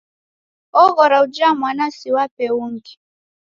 Oghora uja mwana siwape ungi.